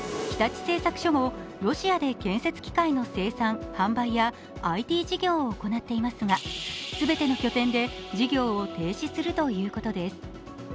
日立製作所もロシアで建設機械の生産・販売やＩＴ事業を行っていますが全ての拠点で事業を停止するということです。